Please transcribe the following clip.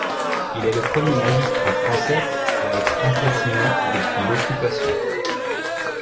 Il est le premier magistrat français à être assassiné depuis l'Occupation.